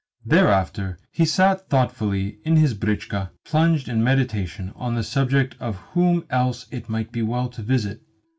Thereafter he sat thoughtfully in his britchka plunged in meditation on the subject of whom else it might be well to visit.